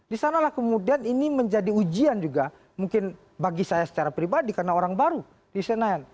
di sanalah kemudian ini menjadi ujian juga mungkin bagi saya secara pribadi karena orang baru di senayan